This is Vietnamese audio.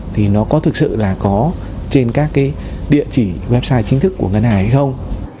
thì nó có thực sự là có trên các cái địa chỉ website chính thức của ngân hàng hay không